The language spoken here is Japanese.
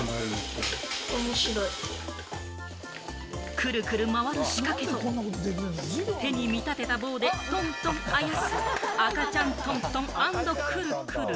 くるくる回る仕掛けと、手に見立てた棒でトントンあやす、「赤ちゃんトントン＆クルクル」。